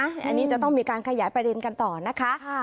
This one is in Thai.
อันนี้จะต้องมีการขยายประเด็นกันต่อนะคะ